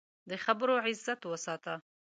د خبرو عزت وساته